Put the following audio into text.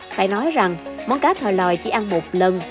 phải nói rằng món cá thòi lòi chỉ ăn một lần